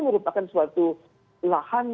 merupakan suatu lahan